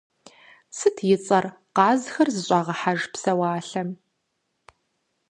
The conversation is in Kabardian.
Сыт и цӏэр къазхэр зыщӀагъэхьэж псэуалъэм?